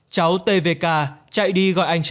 cháu t v k chạy đi gọi anh trai